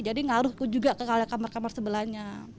jadi ngaruh juga ke kamar kamar sebelahnya